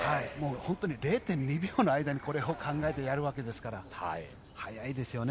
本当に０．２秒の間にこれを考えてやるわけですから速いですよね。